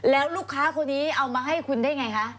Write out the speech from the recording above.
แล้วลูกค้าคนนี้เอามาให้คุณได้ไงคะ